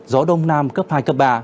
gió đông nam cấp hai cấp ba